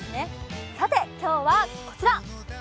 さて、今日はこちら。